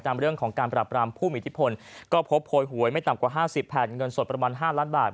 เรื่องของการปรับรามผู้มีอิทธิพลก็พบโพยหวยไม่ต่ำกว่า๕๐แผ่นเงินสดประมาณ๕ล้านบาท